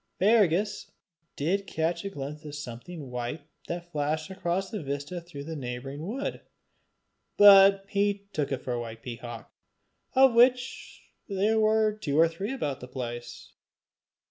Fergus did catch a glimpse of something white that flashed across a vista through the neighbouring wood, but he took it for a white peacock, of which there were two or three about the place.